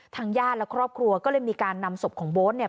ทางญาติและครอบครัวก็เลยมีการนำศพของโบ๊ทเนี่ย